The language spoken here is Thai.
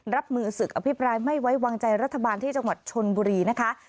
รับมือศึกอภิปรายไม่ไว้วางใจรัฐบาลที่จังหวัดชนบุรีนะคะ